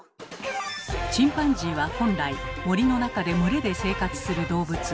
チンパンジーは本来森の中で群れで生活する動物。